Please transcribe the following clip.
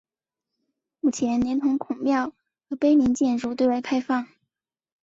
目前连同孔庙和碑林建筑对外开放。